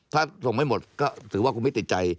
ถ้าส่งไม่หมดก็ถือว่าคุณไม่ติดใจ